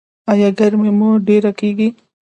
ایا ګرمي مو ډیره کیږي؟